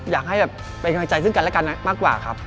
อยากให้แบบเป็นกำลังใจซึ่งกันและกันมากกว่าครับ